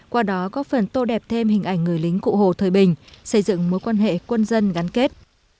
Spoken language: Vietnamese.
qua đó góp phần tô đẹp thêm hình ảnh người lính cụ hồ thời bình xây dựng mối quan hệ quân dân gắn kết